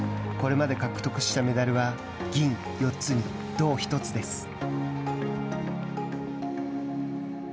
これまで獲得したメダルは銀４つに銅１つです。